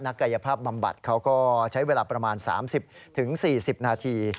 กายภาพบำบัดเขาก็ใช้เวลาประมาณ๓๐๔๐นาที